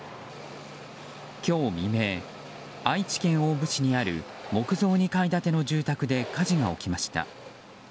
今日未明、愛知県大府市にある木造２階建ての住宅で火事が起きました。